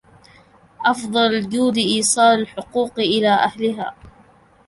أفضل الجود ايصال الحقوق الى أهلها.